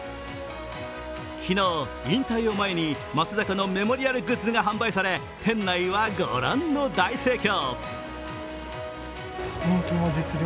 昨日、引退を前に松坂のメモリアルグッズが販売され、店内は御覧の大盛況。